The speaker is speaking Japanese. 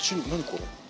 これ。